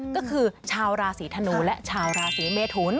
ก็คือชาวราศีธนูและชาวราศีเมทุน